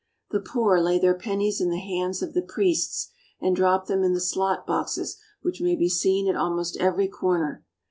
The poor lay their pennies in the hands of the priests and drop them in the slot boxes which may be seen at al most every corner.